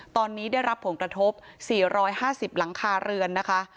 ตอนนี้ได้รับผลกระทบ๔๕๐หลังคาเรือนนะคะ